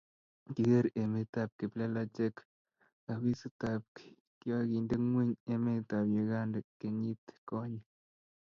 kiker emet ab kiplelachek opisit ab kiokindengwaieng emetab uganda kenyit konye